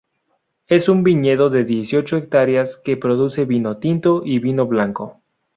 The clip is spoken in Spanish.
Es un viñedo de dieciocho hectáreas que produce vino tinto y vino blanco.